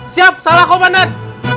siap salah komandan